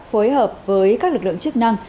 phối hợp với các lực lượng chức năng